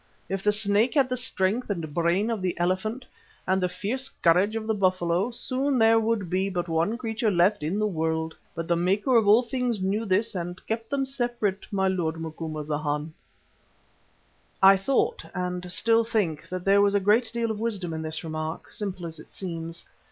If the snake had the strength and brain of the elephant, and the fierce courage of the buffalo, soon there would be but one creature left in the world. But the Maker of all things knew this and kept them separate, my lord Macumazana." I thought, and still think, that there was a great deal of wisdom in this remark, simple as it seems.